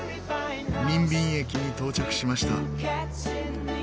ニンビン駅に到着しました。